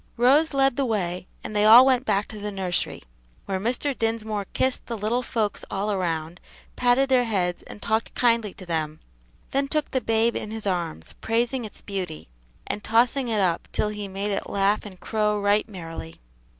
Rose led the way and they all went back to the nursery, where Mr. Dinsmore kissed the little folks all round, patted their heads and talked kindly to them, then took the babe in his arms, praising its beauty, and tossing it up till he made it laugh and crow right merrily.